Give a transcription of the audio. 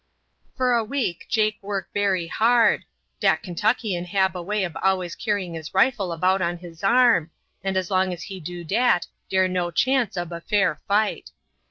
"For a week Jake work bery hard. Dat Kentuckian hab a way ob always carrying his rifle about on his arm, and as long as he do dat dere no chance ob a fair fight.